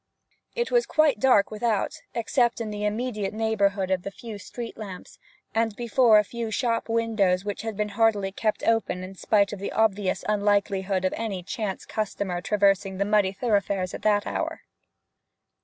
It was quite dark without, except in the immediate neighbourhood of the feeble street lamps, and before a few shop windows which had been hardily kept open in spite of the obvious unlikelihood of any chance customer traversing the muddy thoroughfares at that hour.